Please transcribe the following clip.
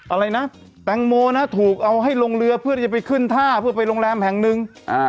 อะไรนะแตงโมนะถูกเอาให้ลงเรือเพื่อที่จะไปขึ้นท่าเพื่อไปโรงแรมแห่งหนึ่ง